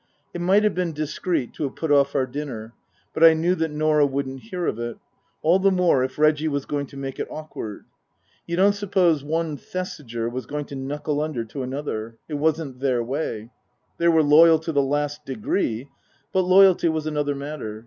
It might have been discreet to have put off our dinner. But I knew that Norah wouldn't hear of it ; all the more if Reggie was going to make it awkward. You don't suppose one Thesiger was going to knuckle under to another. It wasn't their way. They were loyal to the last degree, but loyalty was another matter.